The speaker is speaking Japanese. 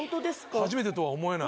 初めてとは思えない。